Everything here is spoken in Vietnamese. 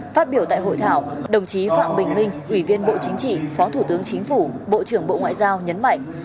phát biểu tại hội thảo đồng chí phạm bình minh ủy viên bộ chính trị phó thủ tướng chính phủ bộ trưởng bộ ngoại giao nhấn mạnh